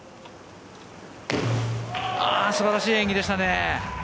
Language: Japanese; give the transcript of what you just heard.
素晴らしい演技でしたね。